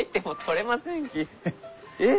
えっ？